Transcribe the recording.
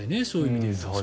そういう意味でいうと。